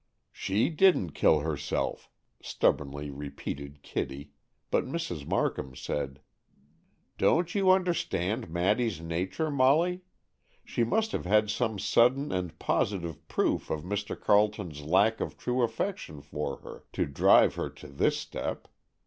"She didn't kill herself," stubbornly repeated Kitty, but Mrs. Markham said: "You don't understand Maddy's nature, Molly; she must have had some sudden and positive proof of Mr. Carleton's lack of true affection for her to drive her to this step.